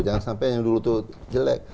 jangan sampai yang dulu itu jelek